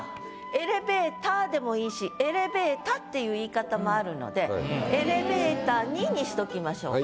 「エレベーター」でもいいし「エレベータ」っていう言い方もあるので「エレベータに」にしときましょうか。